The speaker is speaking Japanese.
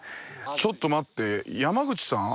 ちょっと待って山口さん？